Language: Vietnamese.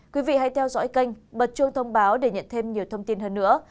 quý vị hãy theo dõi kênh bật chuông thông báo để nhận thêm nhiều thông tin hơn nữa